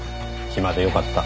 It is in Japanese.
暇でよかった。